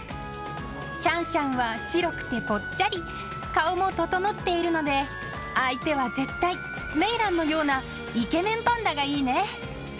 シャンシャンは白くてぽっちゃり、顔も整っているので、相手は絶対、メイランのようなイケメンパンダがいいね。